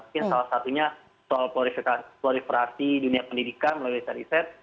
mungkin salah satunya soal kualifikasi dunia pendidikan melalui riset riset